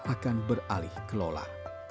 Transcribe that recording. akan beralih kelola